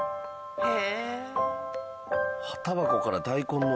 へえ！